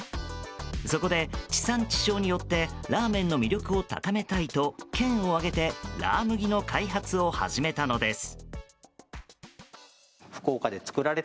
そこで、地産地消によってラーメンの魅力を高めたいと県を挙げてラー麦の開発を始めたのです。